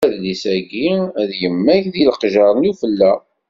Adlis-ayi ad yemmag deg leqjer-nni n ufella.